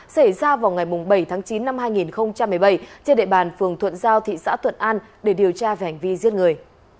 xảy ra vào ngày bảy tháng chín năm hai nghìn một mươi bảy trên địa bàn phường thuận giao thị xã thuận an để điều tra về hành vi giết người